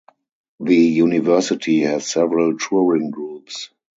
The University has several touring groups.